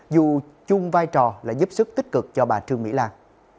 dù chung vai trò là giúp sức tích cực cho bà trương mỹ lan